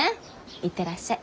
行ってらっしゃい。